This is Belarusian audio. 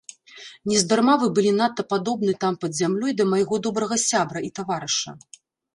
Нездарма вы былі надта падобны там пад зямлёй да майго добрага сябра і таварыша.